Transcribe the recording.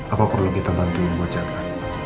apa perlu kita bantuin buat jaga